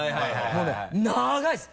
もうね長いです。